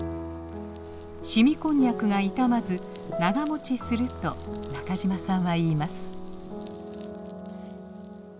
凍みこんにゃくが傷まず長もちすると中嶋さんは言います。